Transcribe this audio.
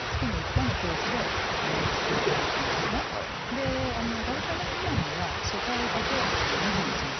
でガルカネズマブは初回だけ２本打ちます。